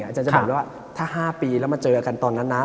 อาจารย์จะบอกด้วยว่าถ้า๕ปีแล้วมาเจอกันตอนนั้นนะ